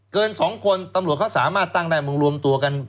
คนสองคนตำรวจเขาสามารถตั้งได้มึงรวมตัวกัน